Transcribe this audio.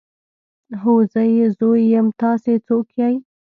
هو زه يې زوی يم تاسې څوک يئ.